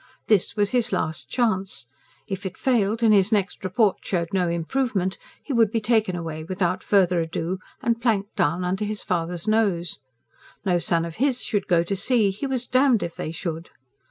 This was his last chance. If it failed, and his next report showed no improvement, he would be taken away without further ado and planked down under his father's nose. No son of his should go to sea, he was damned if they should!